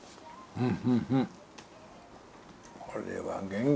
うん！